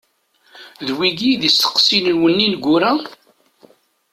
D wigi i d isteqsiyen-nwen ineggura?